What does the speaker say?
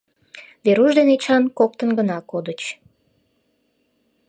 Веруш ден Эчан коктын гына кодыч.